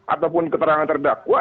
ataupun keterangan terdakwa